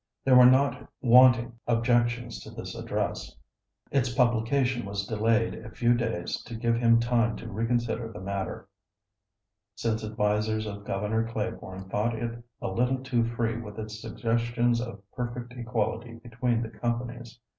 There were not wanting objections to this address. Its publication was delayed a few days to give him time to reconsider the matter, since advisers of Gov. Claiborne thought it a little too free with its suggestions of perfect equality between the companies.